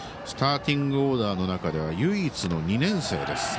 スターティングオーダーの中では唯一の２年生です。